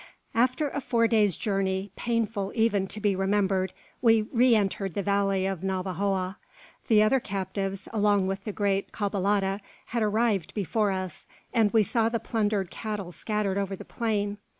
After a four days' journey, painful even to be remembered, we re entered the valley of Navajoa. The other captives, along with the great caballada, had arrived before us; and we saw the plundered cattle scattered over the plain.